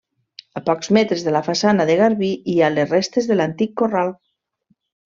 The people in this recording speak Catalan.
A pocs metres de la façana de garbí hi ha les restes de l'antic corral.